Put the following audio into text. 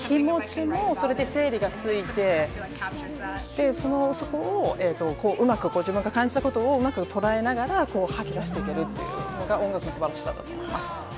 自分の気持ちも、それで整理がついて、そこをうまく自分が感じたことをうまく捉えながら吐き出していけるということが音楽の素晴らしさだと思います。